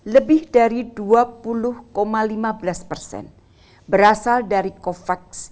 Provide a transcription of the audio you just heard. lebih dari dua puluh lima belas persen berasal dari covax